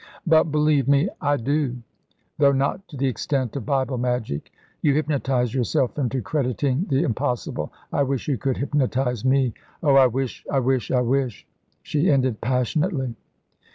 "But, believe me " "I do, though not to the extent of Bible magic. You hypnotise yourself into crediting the impossible. I wish you could hypnotise me. Oh, I wish I wish I wish!" she ended passionately.